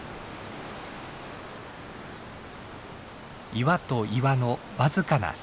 岩と岩の僅かな隙間。